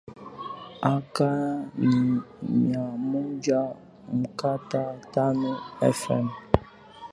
aka ni mia moja nukta tano fm